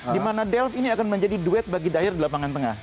di mana delf ini akan menjadi duet bagi dier di lapangan tengah